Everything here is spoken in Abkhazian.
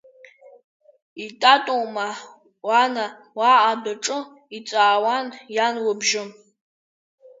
Итаатоума, уана, уаҟа адәаҿы иҵаауан иан лыбжьы.